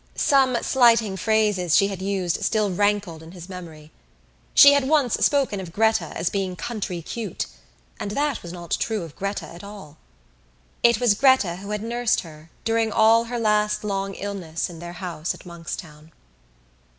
Some slighting phrases she had used still rankled in his memory; she had once spoken of Gretta as being country cute and that was not true of Gretta at all. It was Gretta who had nursed her during all her last long illness in their house at Monkstown.